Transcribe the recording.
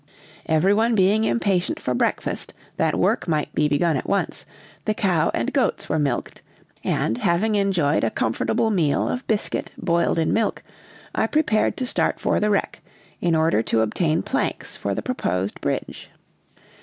Every one being impatient for breakfast that work might be begun at once, the cow and goats were milked, and, having enjoyed a comfortable meal of biscuit boiled in milk, I prepared to start for the wreck, in order to obtain planks for the proposed bridge.